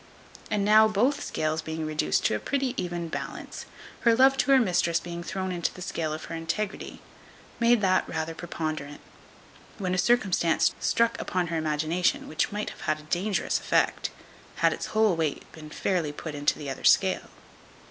And now both scales being reduced to a pretty even balance, her love to her mistress being thrown into the scale of her integrity, made that rather preponderate, when a circumstance struck upon her imagination which might have had a dangerous effect, had its whole weight been fairly put into the other scale.